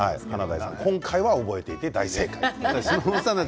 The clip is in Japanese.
今回は覚えていて大正解。